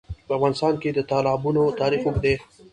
په افغانستان کې د تالابونه تاریخ اوږد دی.